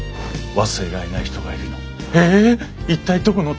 「忘れられない人がいるの」。